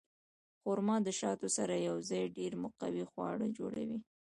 خرما د شاتو سره یوځای ډېر مقوي خواړه جوړوي.